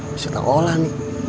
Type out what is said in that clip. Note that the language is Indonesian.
bisa takut lah nih